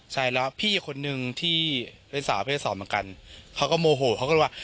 ใช่แล้วพี่คนหนึ่งที่เพื่อนสาวเพื่อนสาวเหมือนกันเขาก็โมโหเขาก็บอกว่า